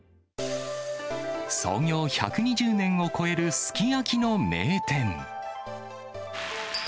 創業１２０年を超えるすき焼きの名店。